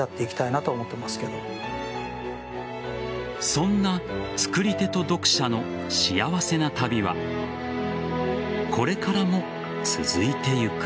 そんな作り手と読者の幸せな旅はこれからも続いていく。